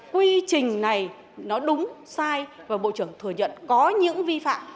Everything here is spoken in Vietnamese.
quy trình này nó đúng sai và bộ trưởng thừa nhận có những vi phạm